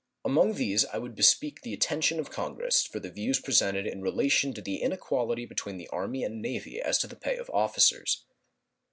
Among these I would bespeak the attention of Congress for the views presented in relation to the inequality between the Army and Navy as to the pay of officers.